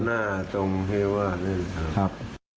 ฟันหน้าตรงเฮียวะนี่ครับ